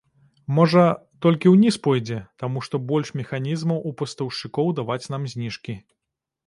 Можа, толькі ўніз пойдзе, таму што больш механізмаў у пастаўшчыкоў даваць нам зніжкі.